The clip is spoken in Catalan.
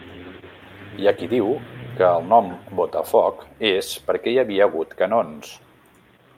Hi ha qui diu que el nom Botafoc és perquè hi havia hagut canons.